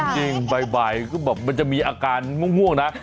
เออจริงบ่ายมันจะมีอาการง่วงน่ะ